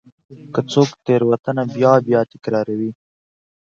که څوک تېروتنه بیا بیا تکراروي.